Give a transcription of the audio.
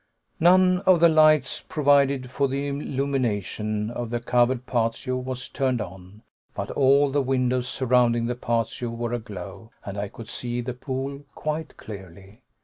None of the lights provided for the illumination of the covered patio was turned on, but all the windows surrounding the patio were aglow, and I could see the pool quite clearly.